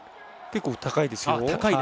結構、高いですよ。